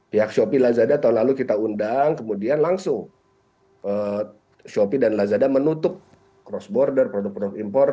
pihak shopee dan lazada tahun lalu kita undang kemudian langsung shopee dan lazada menutup cross border produk produk impor